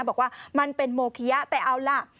บอกว่ามันเป็นโมเคี้ยแต่เอาล่ะ